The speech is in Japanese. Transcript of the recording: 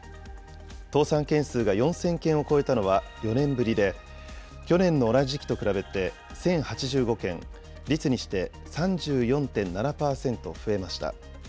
倒産件数が４０００件を超えたのは４年ぶりで、去年の同じ時期と比べて１０８５件、率にして３４．７％増えました。